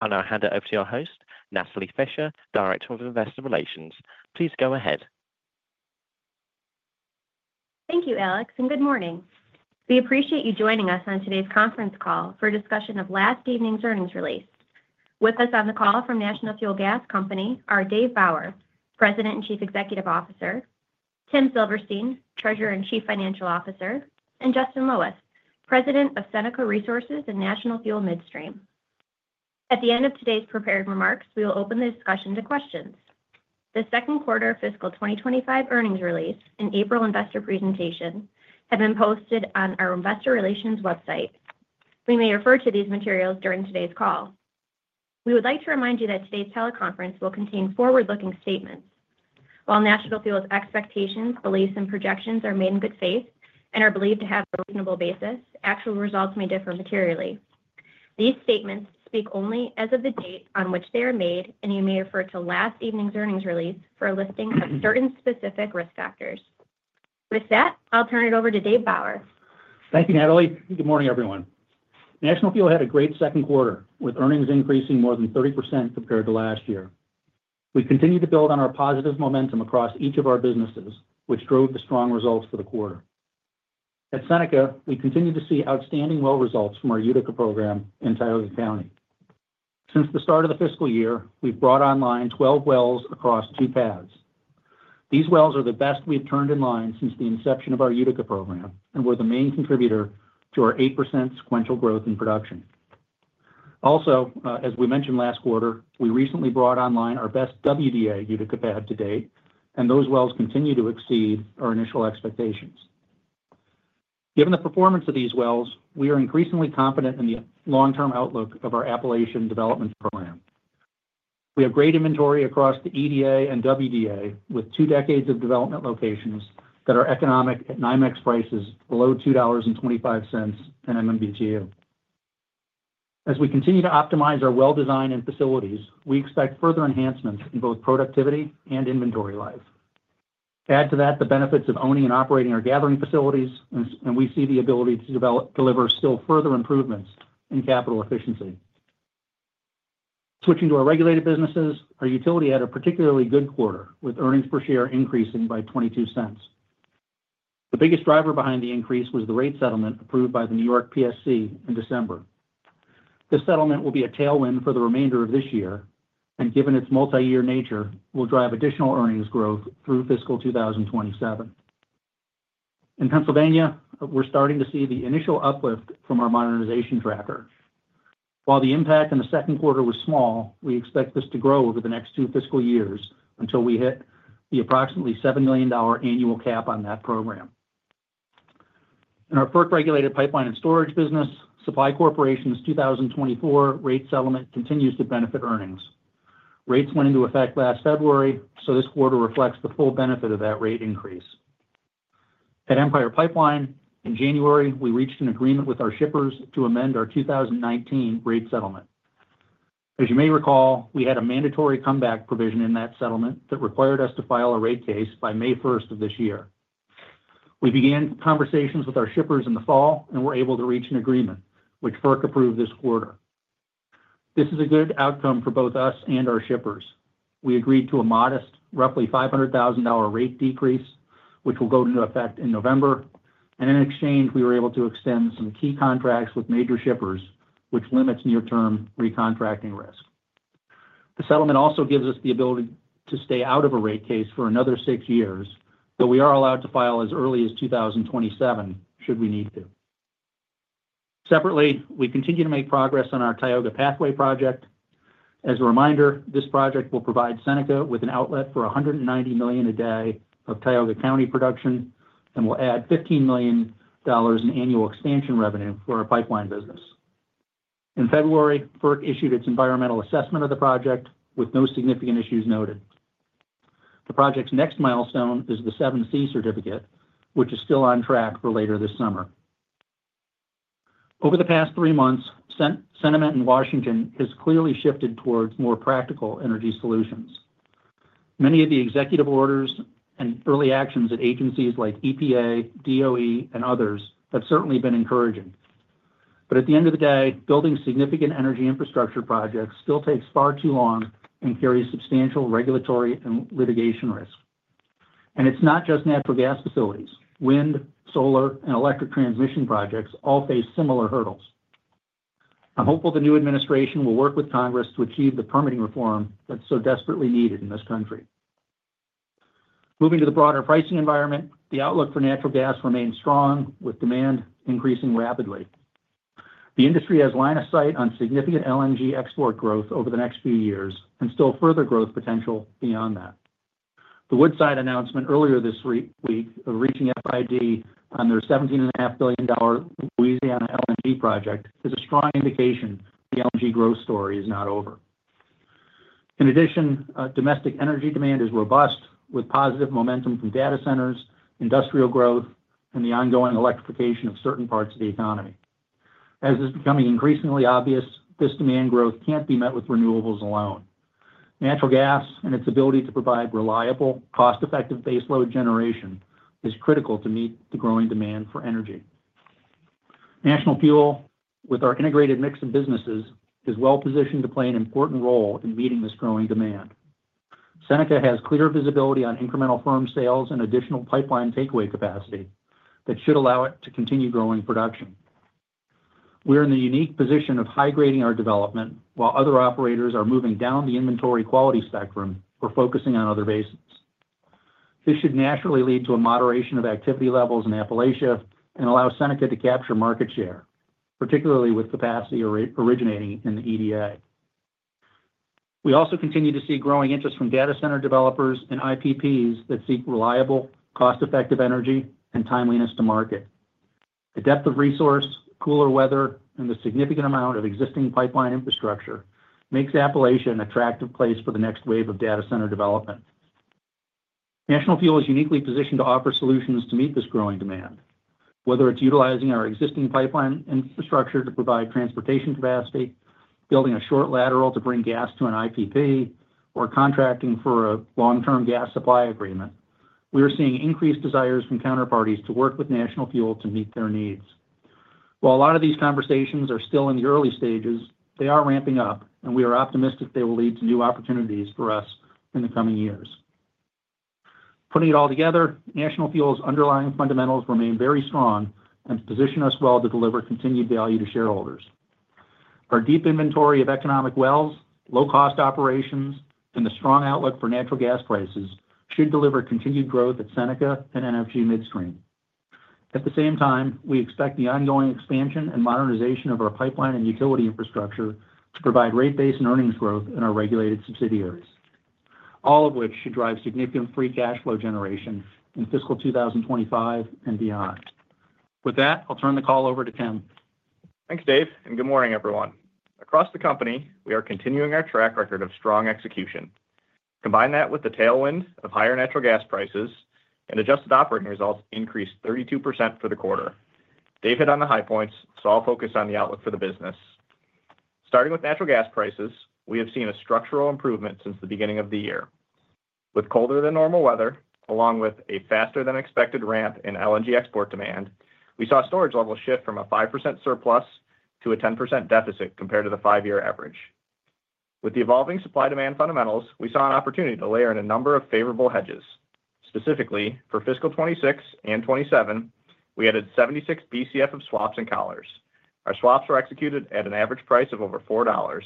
Hello, hand it over to your host, Natalie Fischer, Director of Investor Relations. Please go ahead. Thank you, Alex, and good morning. We appreciate you joining us on today's conference call for a discussion of last evening's earnings release. With us on the call from National Fuel Gas Company are Dave Bauer, President and Chief Executive Officer; Tim Silverstein, Treasurer and Chief Financial Officer; and Justin Loweth, President of Seneca Resources and National Fuel Midstream. At the end of today's prepared remarks, we will open the discussion to questions. The Q2 of fiscal 2025 earnings release and April investor presentation have been posted on our investor relations website. We may refer to these materials during today's call. We would like to remind you that today's teleconference will contain forward-looking statements. While National Fuel's expectations, beliefs, and projections are made in good faith and are believed to have a reasonable basis, actual results may differ materially. These statements speak only as of the date on which they are made, and you may refer to last evening's earnings release for a listing of certain specific risk factors. With that, I'll turn it over to Dave Bauer. Thank you, Natalie. Good morning, everyone. National Fuel had a great Q2, with earnings increasing more than 30% compared to last year. We continue to build on our positive momentum across each of our businesses, which drove the strong results for the quarter. At Seneca, we continue to see outstanding well results from our Utica program in Tioga County. Since the start of the fiscal year, we've brought online 12 wells across two pads. These wells are the best we've turned in line since the inception of our Utica program and were the main contributor to our 8% sequential growth in production. Also, as we mentioned last quarter, we recently brought online our best WDA Utica pad to date, and those wells continue to exceed our initial expectations. Given the performance of these wells, we are increasingly confident in the long-term outlook of our Appalachian development program. We have great inventory across the EDA and WDA, with two decades of development locations that are economic at NYMEX prices below $2.25 and MMBtu. As we continue to optimize our well design and facilities, we expect further enhancements in both productivity and inventory lives. Add to that the benefits of owning and operating our gathering facilities, and we see the ability to deliver still further improvements in capital efficiency. Switching to our regulated businesses, our utility had a particularly good quarter, with earnings per share increasing by $0.22. The biggest driver behind the increase was the rate settlement approved by the New York PSC in December. This settlement will be a tailwind for the remainder of this year, and given its multi-year nature, will drive additional earnings growth through fiscal 2027. In Pennsylvania, we're starting to see the initial uplift from our modernization tracker. While the impact in the Q2 was small, we expect this to grow over the next two fiscal years until we hit the approximately $7 million annual cap on that program. In our regulated pipeline and storage business, Supply Corporation's 2024 rate settlement continues to benefit earnings. Rates went into effect last February, so this quarter reflects the full benefit of that rate increase. At Empire Pipeline, in January, we reached an agreement with our shippers to amend our 2019 rate settlement. As you may recall, we had a mandatory comeback provision in that settlement that required us to file a rate case by May 1st of this year. We began conversations with our shippers in the fall and were able to reach an agreement, which FERC approved this quarter. This is a good outcome for both us and our shippers. We agreed to a modest, roughly $500,000 rate decrease, which will go into effect in November, and in exchange, we were able to extend some key contracts with major shippers, which limits near-term recontracting risk. The settlement also gives us the ability to stay out of a rate case for another six years, but we are allowed to file as early as 2027 should we need to. Separately, we continue to make progress on our Tioga Pathway project. As a reminder, this project will provide Seneca with an outlet for $190 million a day of Tioga County production and will add $15 million in annual expansion revenue for our pipeline business. In February, FERC issued its environmental assessment of the project with no significant issues noted. The project's next milestone is the 7C certificate, which is still on track for later this summer. Over the past three months, sentiment in Washington has clearly shifted towards more practical energy solutions. Many of the executive orders and early actions at agencies like EPA, DOE, and others have certainly been encouraging. At the end of the day, building significant energy infrastructure projects still takes far too long and carries substantial regulatory and litigation risk. It is not just natural gas facilities; wind, solar, and electric transmission projects all face similar hurdles. I'm hopeful the new administration will work with Congress to achieve the permitting reform that's so desperately needed in this country. Moving to the broader pricing environment, the outlook for natural gas remains strong, with demand increasing rapidly. The industry has line of sight on significant LNG export growth over the next few years and still further growth potential beyond that. The Woodside announcement earlier this week of reaching FID on their $17.5 billion Louisiana LNG project is a strong indication the LNG growth story is not over. In addition, domestic energy demand is robust, with positive momentum from data centers, industrial growth, and the ongoing electrification of certain parts of the economy. As is becoming increasingly obvious, this demand growth can't be met with renewables alone. Natural gas and its ability to provide reliable, cost-effective baseload generation is critical to meet the growing demand for energy. National Fuel, with our integrated mix of businesses, is well positioned to play an important role in meeting this growing demand. Seneca has clear visibility on incremental firm sales and additional pipeline takeaway capacity that should allow it to continue growing production. We're in the unique position of high-grading our development while other operators are moving down the inventory quality spectrum or focusing on other bases. This should naturally lead to a moderation of activity levels in Appalachia and allow Seneca to capture market share, particularly with capacity originating in the EDA. We also continue to see growing interest from data center developers and IPPs that seek reliable, cost-effective energy and timeliness to market. The depth of resource, cooler weather, and the significant amount of existing pipeline infrastructure makes Appalachia an attractive place for the next wave of data center development. National Fuel is uniquely positioned to offer solutions to meet this growing demand. Whether it's utilizing our existing pipeline infrastructure to provide transportation capacity, building a short lateral to bring gas to an IPP, or contracting for a long-term gas supply agreement, we are seeing increased desires from counterparties to work with National Fuel to meet their needs. While a lot of these conversations are still in the early stages, they are ramping up, and we are optimistic they will lead to new opportunities for us in the coming years. Putting it all together, National Fuel's underlying fundamentals remain very strong and position us well to deliver continued value to shareholders. Our deep inventory of economic wells, low-cost operations, and the strong outlook for natural gas prices should deliver continued growth at Seneca and NFG Midstream. At the same time, we expect the ongoing expansion and modernization of our pipeline and utility infrastructure to provide rate-based earnings growth in our regulated subsidiaries, all of which should drive significant free cash flow generation in fiscal 2025 and beyond. With that, I'll turn the call over to Tim. Thanks, Dave, and good morning, everyone. Across the company, we are continuing our track record of strong execution. Combine that with the tailwind of higher natural gas prices and adjusted operating results increased 32% for the quarter. David on the high points saw a focus on the outlook for the business. Starting with natural gas prices, we have seen a structural improvement since the beginning of the year. With colder than normal weather, along with a faster-than-expected ramp in LNG export demand, we saw storage levels shift from a 5% surplus to a 10% deficit compared to the five-year average. With the evolving supply-demand fundamentals, we saw an opportunity to layer in a number of favorable hedges. Specifically, for fiscal 2026 and 2027, we added 76 BCF of swaps and collars. Our swaps were executed at an average price of over $4,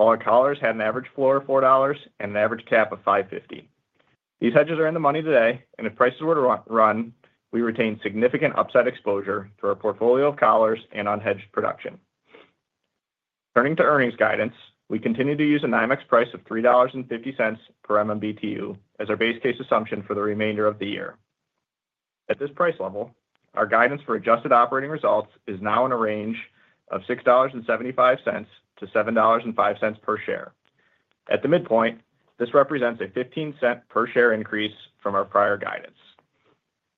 while our collars had an average floor of $4 and an average cap of $5.50. These hedges are in the money today, and if prices were to run, we retain significant upside exposure through our portfolio of collars and unhedged production. Turning to earnings guidance, we continue to use a NYMEX price of $3.50 per MMBtu as our base case assumption for the remainder of the year. At this price level, our guidance for adjusted operating results is now in a range of $6.75 to $7.05 per share. At the midpoint, this represents a 15-cent per share increase from our prior guidance.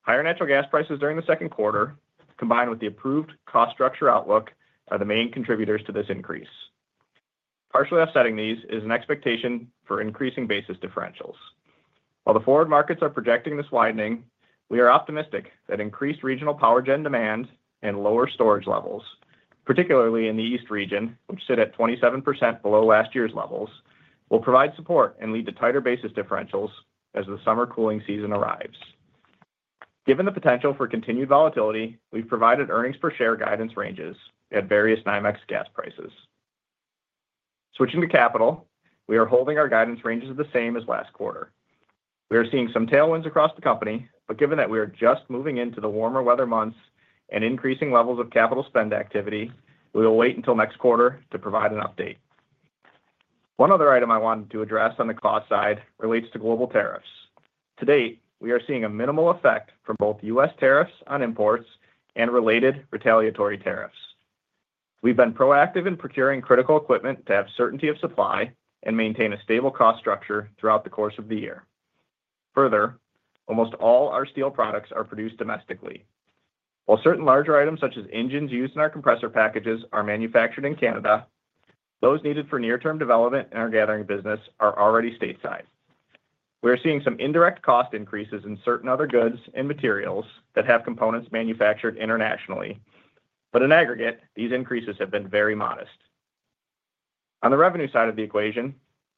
Higher natural gas prices during the Q2, combined with the approved cost structure outlook, are the main contributors to this increase. Partially offsetting these is an expectation for increasing basis differentials. While the forward markets are projecting this widening, we are optimistic that increased regional power gen demand and lower storage levels, particularly in the east region, which sit at 27% below last year's levels, will provide support and lead to tighter basis differentials as the summer cooling season arrives. Given the potential for continued volatility, we've provided earnings per share guidance ranges at various NYMEX gas prices. \Switching to capital, we are holding our guidance ranges the same as last quarter. We are seeing some tailwinds across the company, but given that we are just moving into the warmer weather months and increasing levels of capital spend activity, we will wait until next quarter to provide an update. One other item I wanted to address on the cost side relates to global tariffs. To date, we are seeing a minimal effect from both U.S. Tariffs on imports and related retaliatory tariffs. We've been proactive in procuring critical equipment to have certainty of supply and maintain a stable cost structure throughout the course of the year. Further, almost all our steel products are produced domestically. While certain larger items, such as engines used in our compressor packages, are manufactured in Canada, those needed for near-term development in our gathering business are already stateside. We are seeing some indirect cost increases in certain other goods and materials that have components manufactured internationally, but in aggregate, these increases have been very modest. On the revenue side of the equation,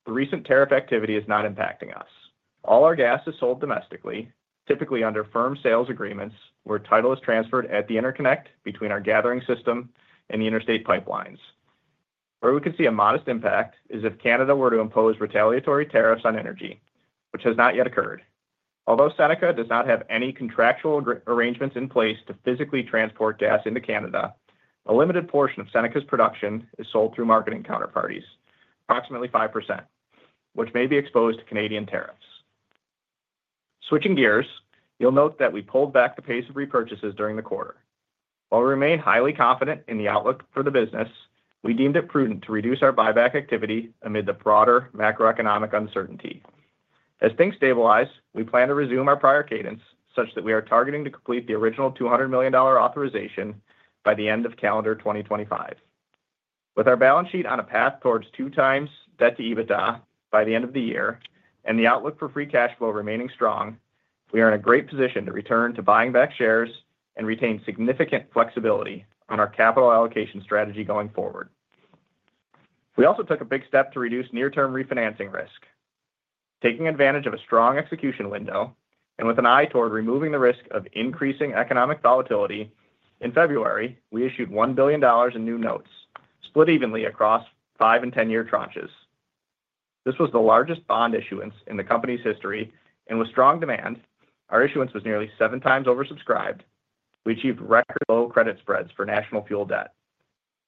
the recent tariff activity is not impacting us. All our gas is sold domestically, typically under firm sales agreements where title is transferred at the interconnect between our gathering system and the interstate pipelines. Where we can see a modest impact is if Canada were to impose retaliatory tariffs on energy, which has not yet occurred. Although Seneca does not have any contractual arrangements in place to physically transport gas into Canada, a limited portion of Seneca's production is sold through marketing counterparties, approximately 5%, which may be exposed to Canadian tariffs. Switching gears, you'll note that we pulled back the pace of repurchases during the quarter. While we remain highly confident in the outlook for the business, we deemed it prudent to reduce our buyback activity amid the broader macroeconomic uncertainty. As things stabilize, we plan to resume our prior cadence such that we are targeting to complete the original $200 million authorization by the end of calendar 2025. With our balance sheet on a path towards two times debt to EBITDA by the end of the year and the outlook for free cash flow remaining strong, we are in a great position to return to buying back shares and retain significant flexibility on our capital allocation strategy going forward. We also took a big step to reduce near-term refinancing risk. Taking advantage of a strong execution window and with an eye toward removing the risk of increasing economic volatility, in February, we issued $1 billion in new notes, split evenly across five and ten-year tranches. This was the largest bond issuance in the company's history and with strong demand, our issuance was nearly seven times oversubscribed. We achieved record low credit spreads for National Fuel debt.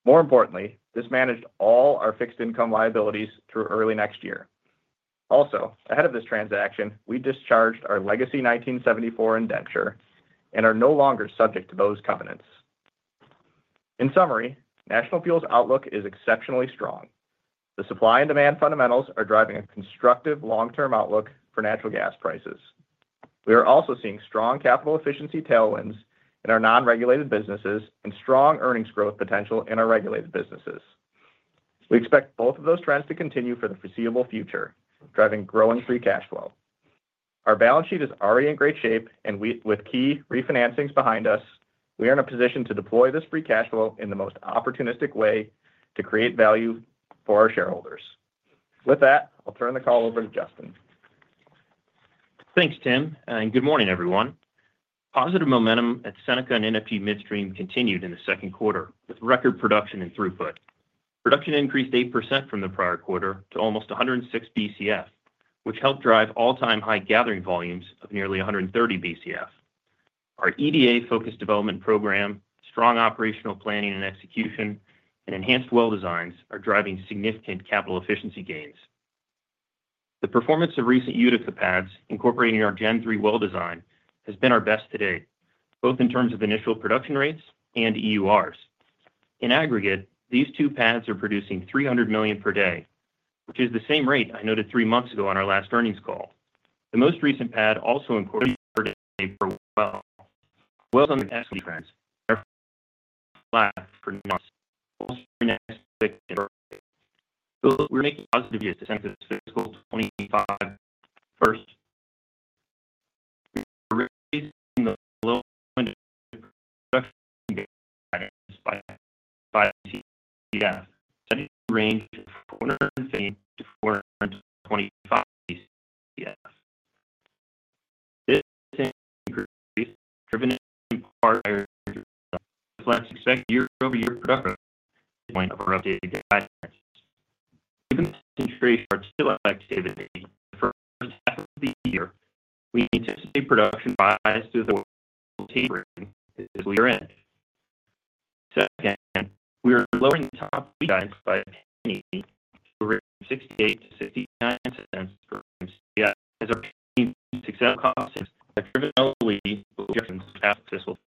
More importantly, this managed all our fixed income liabilities through early next year. Also, ahead of this transaction, we discharged our legacy 1974 indenture and are no longer subject to those covenants. In summary, National Fuel's outlook is exceptionally strong. The supply and demand fundamentals are driving a constructive long-term outlook for natural gas prices. We are also seeing strong capital efficiency tailwinds in our non-regulated businesses and strong earnings growth potential in our regulated businesses. We expect both of those trends to continue for the foreseeable future, driving growing free cash flow. Our balance sheet is already in great shape, and with key refinancings behind us, we are in a position to deploy this free cash flow in the most opportunistic way to create value for our shareholders. With that, I'll turn the call over to Justin. Thanks, Tim, and good morning, everyone. Positive momentum at Seneca and NFG Midstream continued in the Q2, record production and throughput. Production increased 8% from the prior quarter to almost 106 BCF, which helped drive all-time high gathering volumes of nearly 130 BCF. Our EDA-focused development program, strong operational planning and execution, and enhanced well designs are driving significant capital efficiency gains. The performance of recent Utica pads, incorporating our Gen3 well design, has been our best to date, both in terms of initial production rates and EURs. In aggregate, these two pads are producing 300 million per day, which is the same rate I noted three months ago on our last earnings call. The most recent pad also imported per day. [inaudible] Welcome. [inaudible] We're making positive use of Seneca's fiscal 2025 first. We're releasing the low-end production guidance by [CDF], setting the range to [$450 to 425 CDF]. This increase driven in part by reflects expected year-over-year production line of our updated guidance. Given that the industry are still up activity for most of the year, we anticipate production by as to the [tabling] is year-end. Second, we are lowering the [top fee] guidance by $0.68 to $0.69 per CDF as a pain to sell costs that criminally will half fiscal.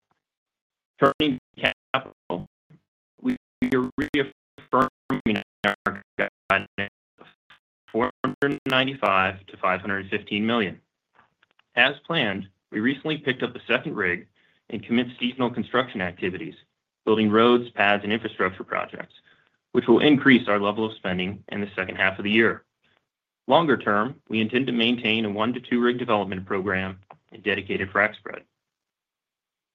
Turning capital, we are reaffirming our guidance of $495 million to 515 million. As planned, we recently picked up the second rig and commenced seasonal construction activities, building roads, pads, and infrastructure projects, which will increase our level of spending in the second half of the year. Longer term, we intend to maintain a one-to-two rig development program and dedicated frac spread.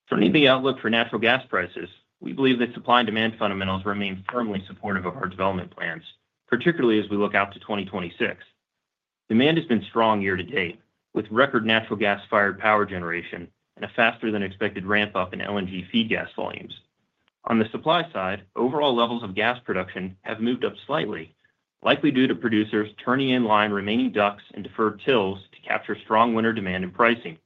Turning to the outlook for natural gas prices, we believe that supply and demand fundamentals remain firmly supportive of our development plans, particularly as we look out to 2026. Demand has been strong year to date, with record natural gas-fired power generation and a faster-than-expected ramp-up in LNG feed gas volumes. On the supply side, overall levels of gas production have moved up slightly, likely due to producers turning in line remaining ducts and deferred tills to capture strong winter demand and pricing.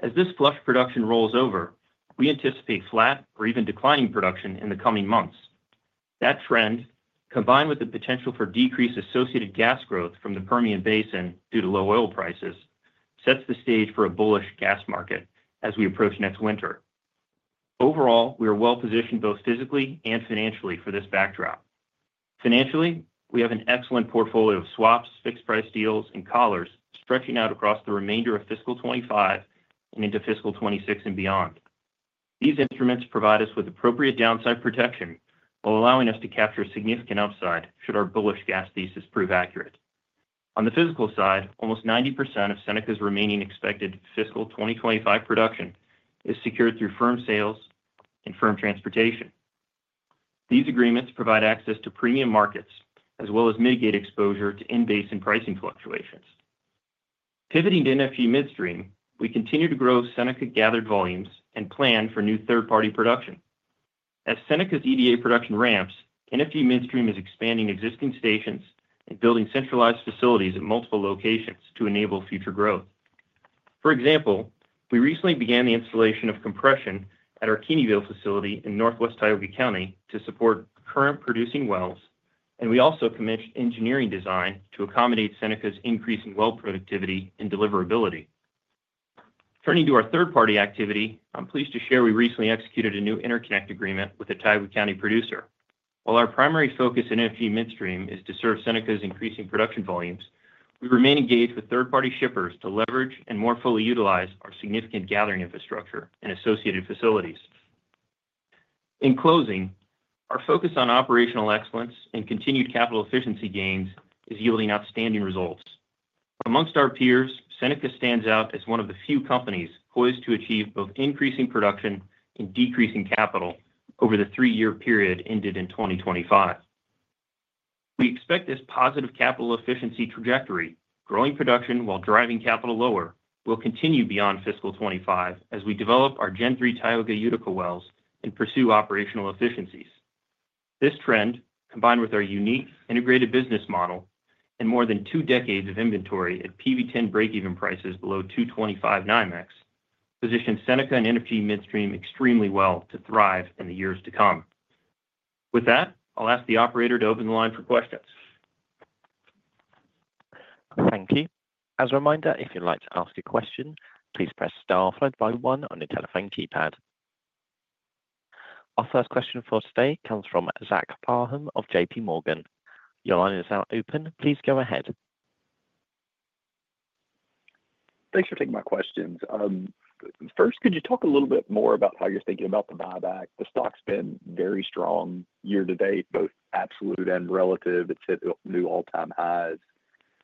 As this flush production rolls over, we anticipate flat or even declining production in the coming months. That trend, combined with the potential for decreased associated gas growth from the Permian Basin due to low oil prices, sets the stage for a bullish gas market as we approach next winter. Overall, we are well-positioned both physically and financially for this backdrop. Financially, we have an excellent portfolio of swaps, fixed price deals, and collars stretching out across the remainder of fiscal 2025 and into fiscal 2026 and beyond. These instruments provide us with appropriate downside protection while allowing us to capture significant upside should our bullish gas thesis prove accurate. On the physical side, almost 90% of Seneca's remaining expected fiscal 2025 production is secured through firm sales and firm transportation. These agreements provide access to premium markets as well as mitigate exposure to in-basin pricing fluctuations. Pivoting to NFG Midstream, we continue to grow Seneca gathered volumes and plan for new third-party production. As Seneca's EDA production ramps, NFG Midstream is expanding existing stations and building centralized facilities at multiple locations to enable future growth. For example, we recently began the installation of compression at our Keeneyville facility in northwest Tioga County to support current producing wells, and we also commenced engineering design to accommodate Seneca's increasing well productivity and deliverability. Turning to our third-party activity, I'm pleased to share we recently executed a new interconnect agreement with a Tioga County producer. While our primary focus in NFG Midstream is to serve Seneca's increasing production volumes, we remain engaged with third-party shippers to leverage and more fully utilize our significant gathering infrastructure and associated facilities. In closing, our focus on operational excellence and continued capital efficiency gains is yielding outstanding results. Amongst our peers, Seneca stands out as one of the few companies poised to achieve both increasing production and decreasing capital over the three-year period ended in 2025.We expect this positive capital efficiency trajectory, growing production while driving capital lower, will continue beyond fiscal 2025 as we develop our Gen3 Tioga Utica wells and pursue operational efficiencies. This trend, combined with our unique integrated business model and more than two decades of inventory at PV10 break-even prices below $2.25 NYMEX, positions Seneca and NFG Midstream extremely well to thrive in the years to come. With that, I'll ask the operator to open the line for questions. Thank you. As a reminder, if you'd like to ask a question, please press star followed by one on your telephone keypad. Our first question for today comes from Zach Parham of JP Morgan. Your line is now open. Please go ahead. Thanks for taking my questions. First, could you talk a little bit more about how you're thinking about the buyback? The stock's been very strong year to date, both absolute and relative. It's hit new all-time highs.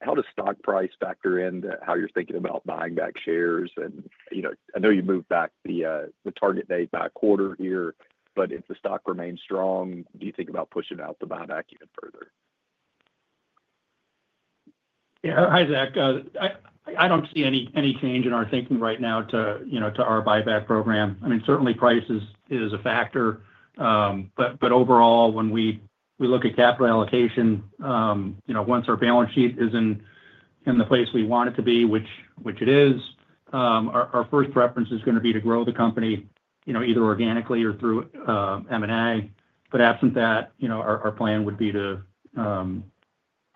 How does stock price factor into how you're thinking about buying back shares? I know you moved back the target date by a quarter here, but if the stock remains strong, do you think about pushing out the buyback even further? Yeah, hi Zach. I do not see any change in our thinking right now to our buyback program. I mean, certainly price is a factor, but overall, when we look at capital allocation, once our balance sheet is in the place we want it to be, which it is, our first preference is going to be to grow the company either organically or through M&A, but absent that, our plan would be to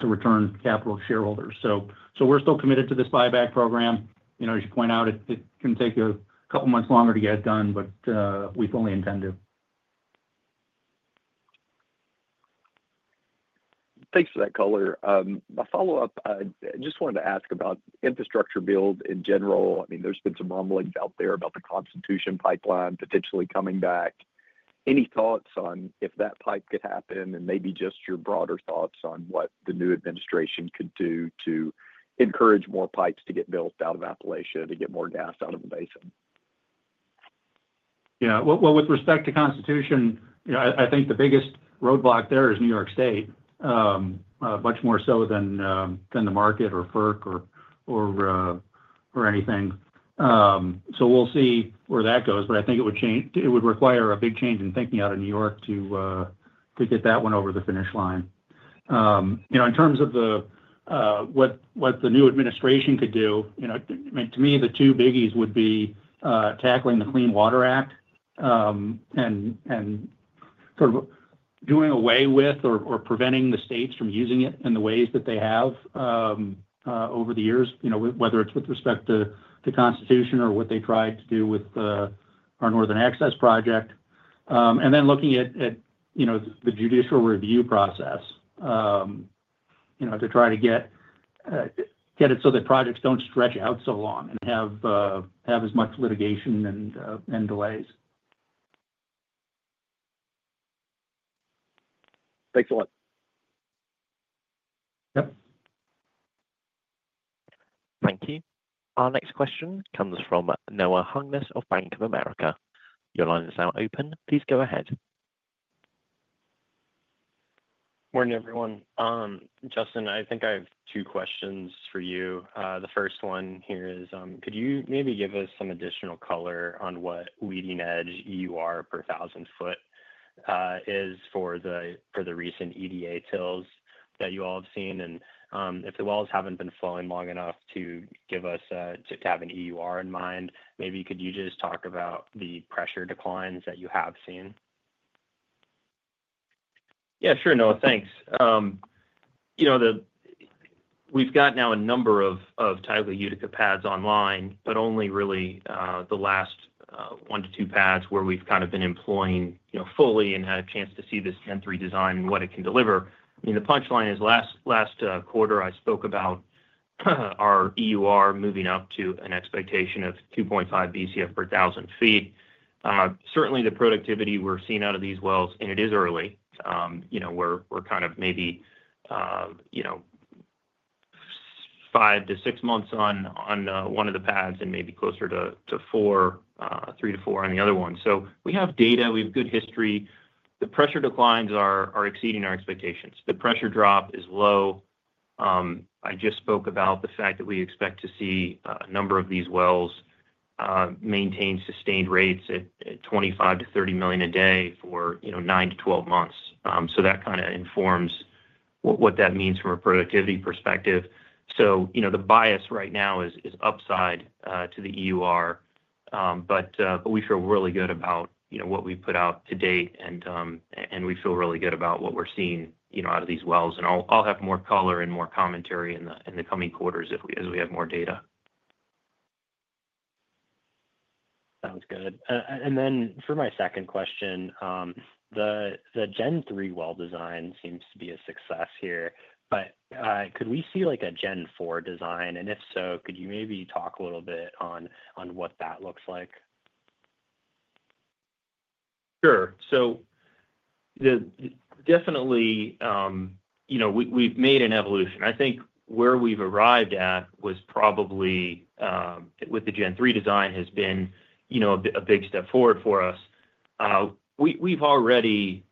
return capital to shareholders. We are still committed to this buyback program. As you point out, it can take a couple of months longer to get it done, but we fully intend to. Thanks for that, Coller. My follow-up, I just wanted to ask about infrastructure build in general. I mean, there's been some rumblings out there about the Constitution pipeline potentially coming back. Any thoughts on if that pipe could happen and maybe just your broader thoughts on what the new administration could do to encourage more pipes to get built out of Appalachia, to get more gas out of the basin? Yeah, with respect to Constitution, I think the biggest roadblock there is New York State, much more so than the market or FERC or anything. We'll see where that goes, but I think it would require a big change in thinking out of New York to get that one over the finish line. In terms of what the new administration could do, to me, the two biggies would be tackling the Clean Water Act and sort of doing away with or preventing the states from using it in the ways that they have over the years, whether it's with respect to Constitution or what they tried to do with our Northern Access Project. Then looking at the judicial review process to try to get it so that projects don't stretch out so long and have as much litigation and delays. Thanks a lot. Thank you. Our next question comes from Noah Hungness of Bank of America. Your line is now open. Please go ahead. Morning, everyone. Justin, I think I have two questions for you. The first one here is, could you maybe give us some additional color on what leading-edge EUR per thousand foot is for the recent EDA tills that you all have seen? If the wells have not been flowing long enough to give us to have an EUR in mind, maybe could you just talk about the pressure declines that you have seen? Yeah, sure, Noah, thanks. We've got now a number of Tioga Utica pads online, but only really the last one to two pads where we've kind of been employing fully and had a chance to see this Gen3 design and what it can deliver. I mean, the punchline is last quarter, I spoke about our EUR moving up to an expectation of 2.5 BCF per thousand feet. Certainly, the productivity we're seeing out of these wells, and it is early. We're kind of maybe five to six months on one of the pads and maybe closer to three to four on the other one. We have data, we have good history. The pressure declines are exceeding our expectations. The pressure drop is low. I just spoke about the fact that we expect to see a number of these wells maintain sustained rates at 25-30 million a day for 9-12 months. That kind of informs what that means from a productivity perspective. The bias right now is upside to the EUR, but we feel really good about what we've put out to date, and we feel really good about what we're seeing out of these wells. I'll have more color and more commentary in the coming quarters as we have more data. Sounds good. For my second question, the Gen3 well design seems to be a success here, but could we see a Gen4 design? If so, could you maybe talk a little bit on what that looks like? Sure. Definitely, we've made an evolution. I think where we've arrived at was probably with the Gen3 design, which has been a big step forward for us. We've already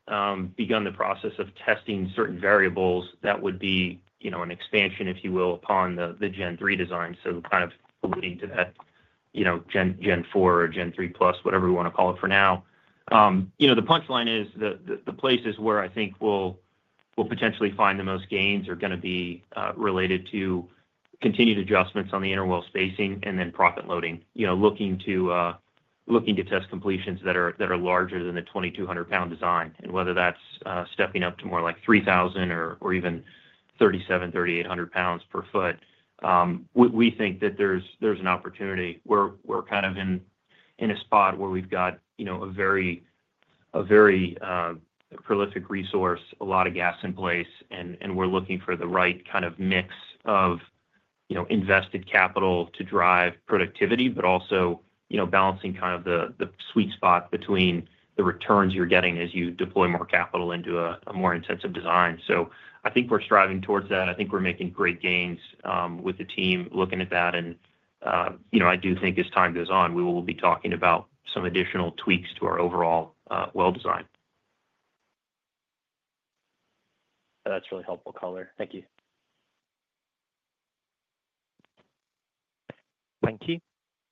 begun the process of testing certain variables that would be an expansion, if you will, upon the Gen3 design. Kind of leading to that Gen4 or Gen3 plus, whatever we want to call it for now. The punchline is the places where I think we'll potentially find the most gains are going to be related to continued adjustments on the interwell spacing and then proppant loading, looking to test completions that are larger than the 2,200-pound design. Whether that's stepping up to more like 3,000 or even 3,700-3,800 pounds per foot, we think that there's an opportunity. We're kind of in a spot where we've got a very prolific resource, a lot of gas in place, and we're looking for the right kind of mix of invested capital to drive productivity, but also balancing kind of the sweet spot between the returns you're getting as you deploy more capital into a more intensive design. I think we're striving towards that. I think we're making great gains with the team looking at that. I do think as time goes on, we will be talking about some additional tweaks to our overall well design. That's really helpful, Coller. Thank you. Thank you.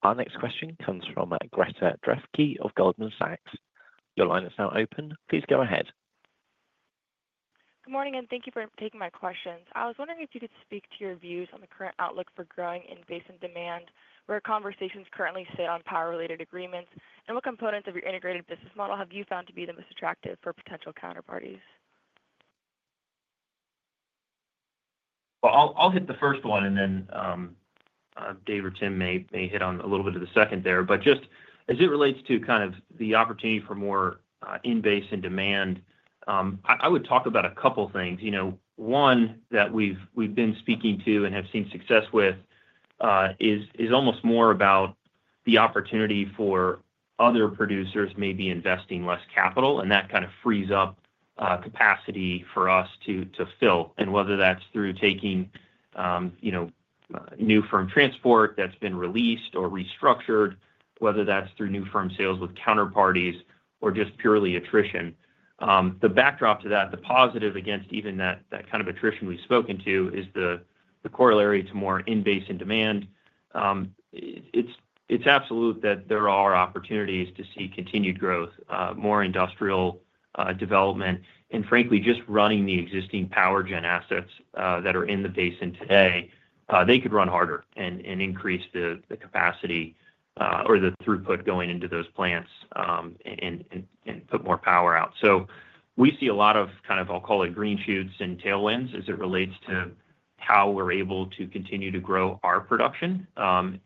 Our next question comes from Greta Drefke of Goldman Sachs. Your line is now open. Please go ahead. Good morning, and thank you for taking my questions. I was wondering if you could speak to your views on the current outlook for growing in basin demand, where conversations currently sit on power-related agreements, and what components of your integrated business model have you found to be the most attractive for potential counterparties? I'll hit the first one, and then Dave or Tim may hit on a little bit of the second there. Just as it relates to kind of the opportunity for more in-basin demand, I would talk about a couple of things. One that we've been speaking to and have seen success with is almost more about the opportunity for other producers maybe investing less capital, and that kind of frees up capacity for us to fill. Whether that's through taking new firm transport that's been released or restructured, whether that's through new firm sales with counterparties or just purely attrition. The backdrop to that, the positive against even that kind of attrition we've spoken to is the corollary to more in-basin demand. It's absolute that there are opportunities to see continued growth, more industrial development, and frankly, just running the existing power gen assets that are in the basin today, they could run harder and increase the capacity or the throughput going into those plants and put more power out. We see a lot of kind of, I'll call it green shoots and tailwinds as it relates to how we're able to continue to grow our production. We've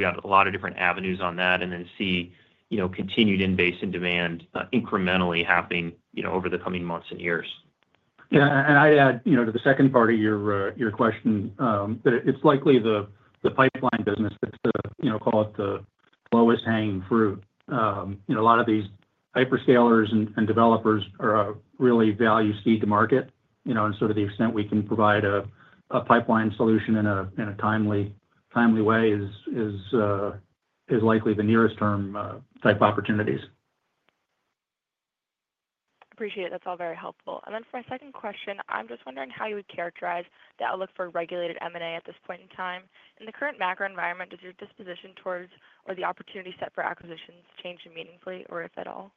got a lot of different avenues on that and then see continued in-basin demand incrementally happening over the coming months and years. Yeah, and I'd add to the second part of your question that it's likely the pipeline business, call it the lowest hanging fruit. A lot of these hyperscalers and developers really value seed to market. And sort of the extent we can provide a pipeline solution in a timely way is likely the nearest-term type opportunities. Appreciate it. That's all very helpful. For my second question, I'm just wondering how you would characterize the outlook for regulated M&A at this point in time. In the current macro environment, does your disposition towards or the opportunity set for acquisitions change meaningfully or if at all?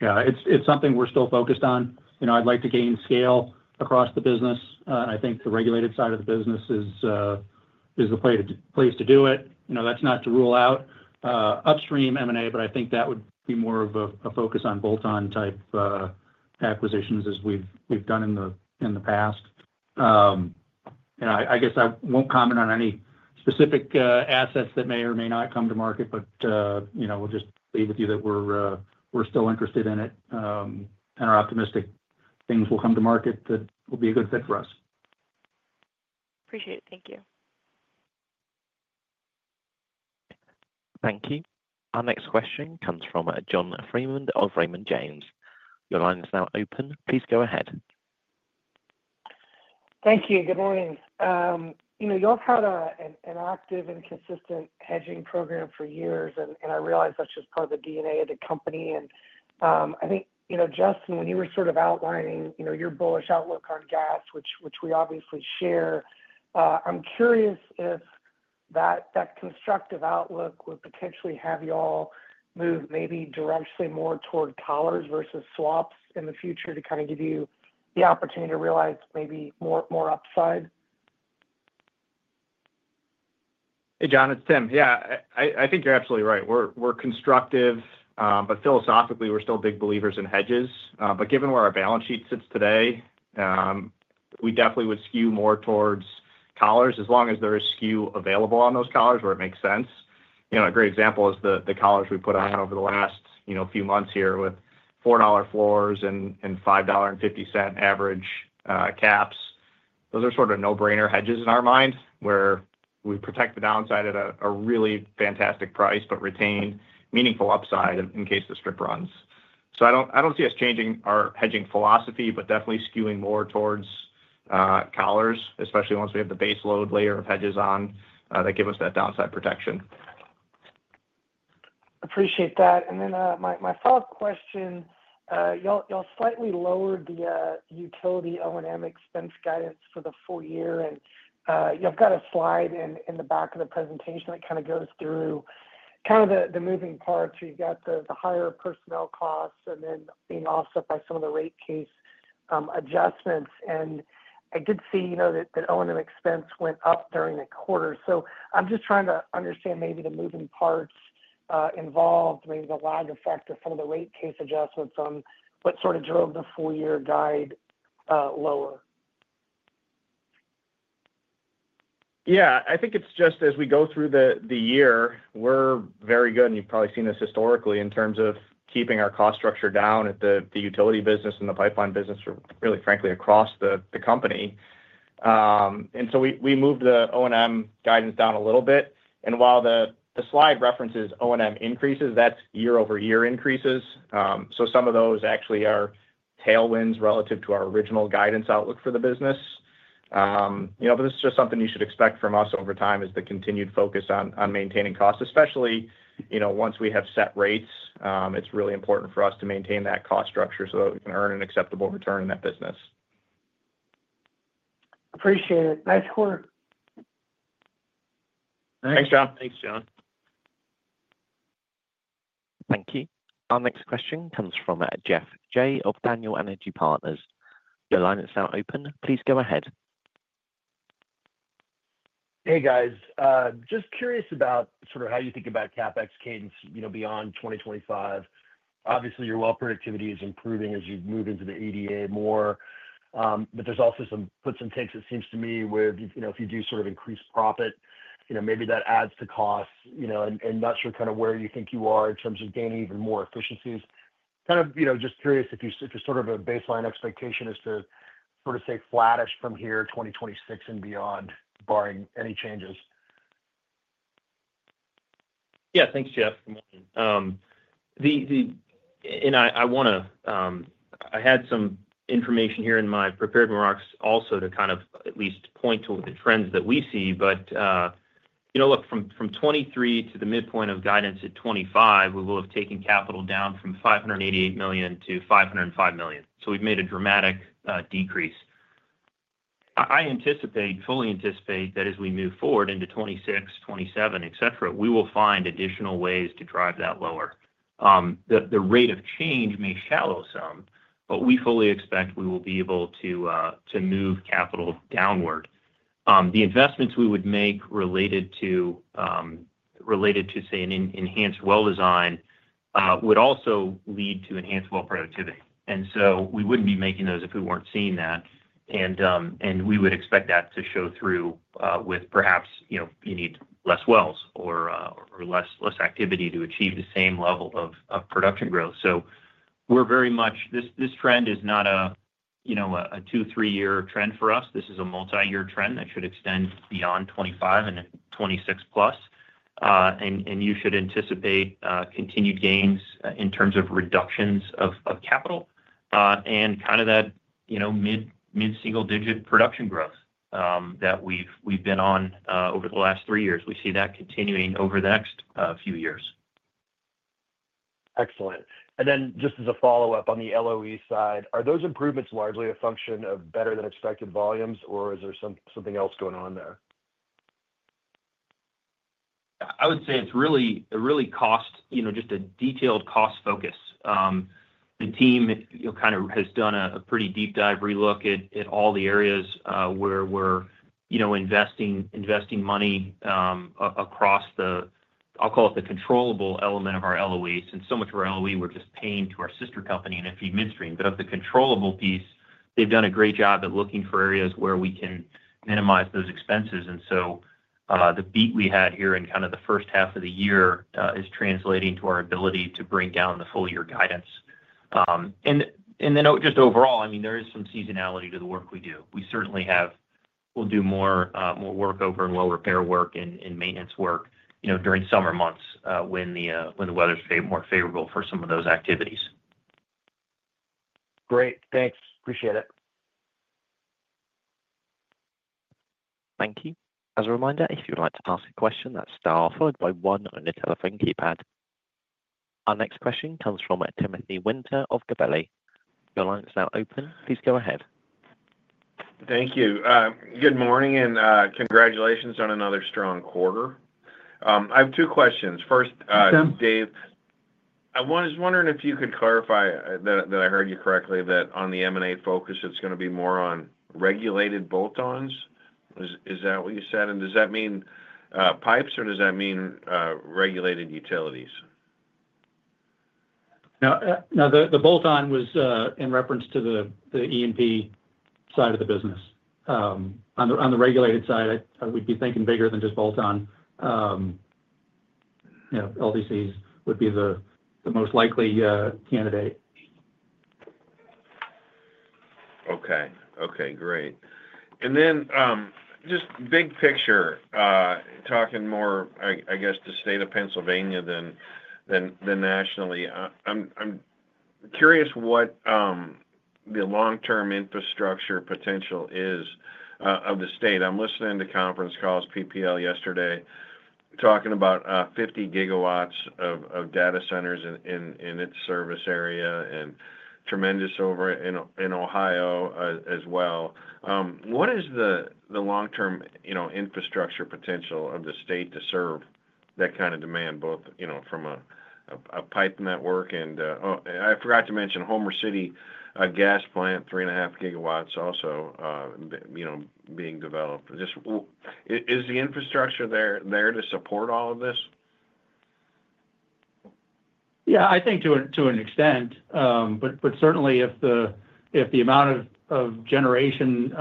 Yeah, it's something we're still focused on. I'd like to gain scale across the business. I think the regulated side of the business is the place to do it. That's not to rule out upstream M&A, but I think that would be more of a focus on bolt-on type acquisitions as we've done in the past. I guess I won't comment on any specific assets that may or may not come to market, but we'll just leave with you that we're still interested in it and are optimistic things will come to market that will be a good fit for us. Appreciate it. Thank you. Thank you. Our next question comes from John Freeman of Raymond James. Your line is now open. Please go ahead. Thank you. Good morning. You all have had an active and consistent hedging program for years, and I realize that's just part of the DNA of the company. I think, Justin, when you were sort of outlining your bullish outlook on gas, which we obviously share, I'm curious if that constructive outlook would potentially have you all move maybe directionally more toward collars versus swaps in the future to kind of give you the opportunity to realize maybe more upside. Hey, John, it's Tim. Yeah, I think you're absolutely right. We're constructive, but philosophically, we're still big believers in hedges. Given where our balance sheet sits today, we definitely would skew more towards collars as long as there is skew available on those collars where it makes sense. A great example is the collars we put on over the last few months here with $4 floors and $5.50 average caps. Those are sort of no-brainer hedges in our minds where we protect the downside at a really fantastic price, but retain meaningful upside in case the strip runs. I don't see us changing our hedging philosophy, but definitely skewing more towards collars, especially once we have the base load layer of hedges on that give us that downside protection. Appreciate that. My follow-up question, y'all slightly lowered the utility O&M expense guidance for the full year, and you've got a slide in the back of the presentation that kind of goes through the moving parts. You've got the higher personnel costs and then being offset by some of the rate case adjustments. I did see that O&M expense went up during the quarter. I'm just trying to understand maybe the moving parts involved, maybe the lag effect of some of the rate case adjustments on what sort of drove the full year guide lower. Yeah, I think it's just as we go through the year, we're very good, and you've probably seen this historically in terms of keeping our cost structure down at the utility business and the pipeline business, really frankly, across the company. We moved the O&M guidance down a little bit. While the slide references O&M increases, that's year-over-year increases. Some of those actually are tailwinds relative to our original guidance outlook for the business. This is just something you should expect from us over time is the continued focus on maintaining costs, especially once we have set rates. It's really important for us to maintain that cost structure so that we can earn an acceptable return in that business. Appreciate it. Nice quarter. Thanks, John. Thanks, John. Thank you. Our next question comes from Geoff Jay of Daniel Energy Partners. Your line is now open. Please go ahead. Hey, guys. Just curious about sort of how you think about CapEx cadence beyond 2025. Obviously, your well productivity is improving as you move into the EDA more. There are also some puts and takes, it seems to me, where if you do sort of increase profit, maybe that adds to costs. Not sure kind of where you think you are in terms of gaining even more efficiencies. Kind of just curious if you sort of have a baseline expectation as to sort of say flattish from here 2026 and beyond, barring any changes. Yeah, thanks, Jeff. I had some information here in my prepared remarks also to kind of at least point to the trends that we see. Look, from 2023 to the midpoint of guidance at 2025, we will have taken capital down from $588 million to 505 million. We have made a dramatic decrease. I fully anticipate that as we move forward into 2026, 2027, etc., we will find additional ways to drive that lower. The rate of change may shallow some, but we fully expect we will be able to move capital downward. The investments we would make related to, say, an enhanced well design would also lead to enhanced well productivity. We would not be making those if we were not seeing that. We would expect that to show through with perhaps you need fewer wells or less activity to achieve the same level of production growth. We are very much this trend is not a two- or three-year trend for us. This is a multi-year trend that should extend beyond 2025 and 2026 plus. You should anticipate continued gains in terms of reductions of capital and kind of that mid-single-digit production growth that we have been on over the last three years. We see that continuing over the next few years. Excellent. Just as a follow-up on the LOE side, are those improvements largely a function of better-than-expected volumes, or is there something else going on there? I would say it's really cost, just a detailed cost focus. The team kind of has done a pretty deep-dive relook at all the areas where we're investing money across the, I'll call it the controllable element of our LOEs. And so much of our LOE, we're just paying to our sister company and a few midstream. But of the controllable piece, they've done a great job of looking for areas where we can minimize those expenses. The beat we had here in kind of the first half of the year is translating to our ability to bring down the full-year guidance. I mean, there is some seasonality to the work we do. We certainly have. We'll do more work over and well repair work and maintenance work during summer months when the weather is more favorable for some of those activities. Great. Thanks. Appreciate it. Thank you. As a reminder, if you'd like to ask a question, that's star followed by one on the telephone keypad. Our next question comes from Timothy Winter of Gabelli. Your line is now open. Please go ahead. Thank you. Good morning and congratulations on another strong quarter. I have two questions. First, Dave, I was wondering if you could clarify that I heard you correctly, that on the M&A focus, it's going to be more on regulated bolt-ons. Is that what you said? Does that mean pipes or does that mean regulated utilities? Now, the bolt-on was in reference to the E&P side of the business. On the regulated side, we'd be thinking bigger than just bolt-on. LDCs would be the most likely candidate. Okay. Okay. Great. Just big picture, talking more, I guess, to the state of Pennsylvania than nationally, I'm curious what the long-term infrastructure potential is of the state. I'm listening to conference calls, PPL yesterday, talking about 50 gigawatts of data centers in its service area and tremendous over in Ohio as well. What is the long-term infrastructure potential of the state to serve that kind of demand, both from a pipe network and I forgot to mention Homer City gas plant, three and a half gigawatts also being developed. Is the infrastructure there to support all of this? Yeah, I think to an extent. Certainly, if the amount of generation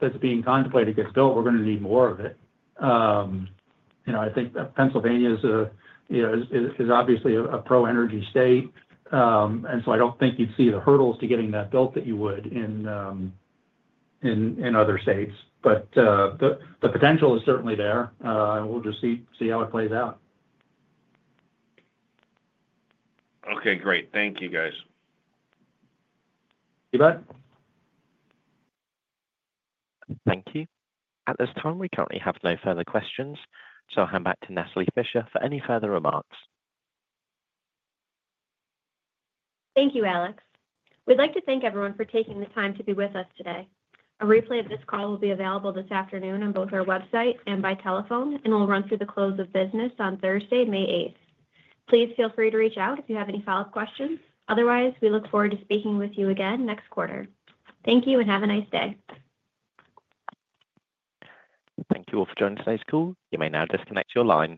that's being contemplated gets built, we're going to need more of it. I think Pennsylvania is obviously a pro-energy state. I don't think you'd see the hurdles to getting that built that you would in other states. The potential is certainly there. We'll just see how it plays out. Okay. Great. Thank you, guys. You bet. Thank you. At this time, we currently have no further questions. I'll hand back to Natalie Fischer for any further remarks. Thank you, Alex. We'd like to thank everyone for taking the time to be with us today. A replay of this call will be available this afternoon on both our website and by telephone, and will run through the close of business on Thursday, May 8. Please feel free to reach out if you have any follow-up questions. Otherwise, we look forward to speaking with you again next quarter. Thank you and have a nice day. Thank you all for joining today's call. You may now disconnect your lines.